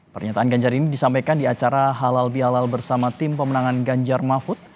pernyataan ganjar ini disampaikan di acara halal bihalal bersama tim pemenangan ganjar mahfud